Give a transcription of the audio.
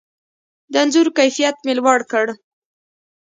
د انځور کیفیت مې لوړ کړ.